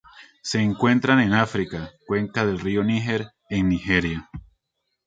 Se encuentran en África: cuenca del río Níger en Nigeria.